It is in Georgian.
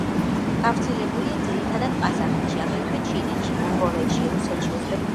გავრცელებულია ძირითადად ყაზახეთში, აგრეთვე ჩინეთში, მონღოლეთში, რუსეთში, უზბეკეთში და ავღანეთში.